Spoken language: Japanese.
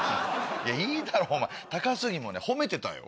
いやいいだろお前高杉もね褒めてたよ。